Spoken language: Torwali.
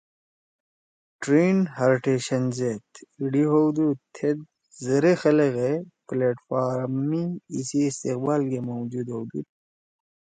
ٹرین ہر ٹیشن زید ایِڑی ہؤدُودو تھید زرأ خلگ ئے پلیٹ فارم می ایِسی استقبال گےموجود ہؤدُود